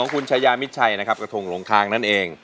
คุณชายามิดชัยนะครับกระทงหลงคางนั่นเอง